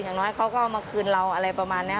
อย่างน้อยเขาก็เอามาคืนเราอะไรประมาณนี้